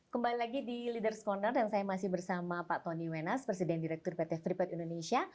kembali lagi di leaders' corner dan saya masih bersama pak tony wenas presiden direktur pt fripet indonesia